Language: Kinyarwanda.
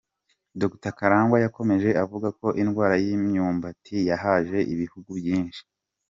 Dr Karangwa yakomeje avuga ko indwara y’imyumbati yazahaje ibihugu byinshi.